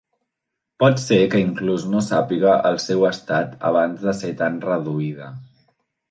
Pot ser que inclús no sàpiga el seu estat abans de ser tan reduïda.